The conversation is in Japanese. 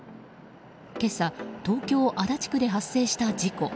今朝東京・足立区で発生した事故。